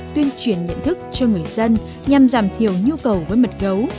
tuyên truyền nhận thức cho người dân nhằm giảm thiểu nhu cầu với mật gấu